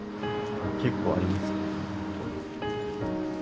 結構ありますね。